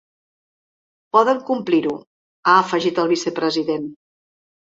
“Poden complir-ho”, ha afegit el vicepresident.